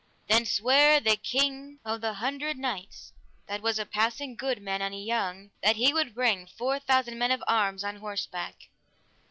Then sware the King of the Hundred Knights, that was a passing good man and a young, that he would bring four thousand men of arms on horseback.